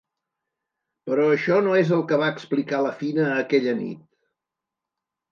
Però això no és el que va explicar la Fina aquella nit.